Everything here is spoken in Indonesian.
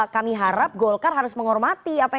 kami harap golkar harus menghormati apa